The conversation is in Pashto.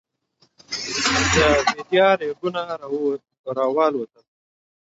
د بېدیا رېګون راوالوتل.